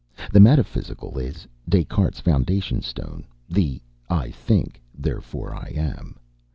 The metaphysical is Des Cartes's foundation stone the "I think, therefore I am."